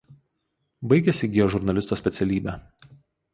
Baigęs įgijo žurnalisto specialybę.